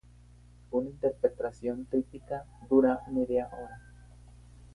Una interpretación típica dura una media hora.